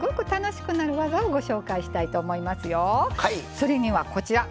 それにはこちら！